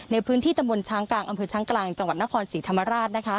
ในพื้นที่ตำบลช้างกลางอำเภอช้างกลางจังหวัดนครศรีธรรมราช